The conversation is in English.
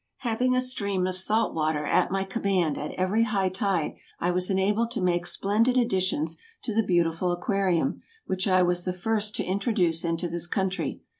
Having a stream of salt water at my command at every high tide, I was enabled to make splendid additions to the beautiful aquarium, which I was the first to introduce into this country.